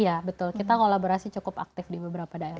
iya betul kita kolaborasi cukup aktif di beberapa daerah